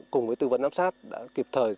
cùng với tư vấn áp sát đã kịp thời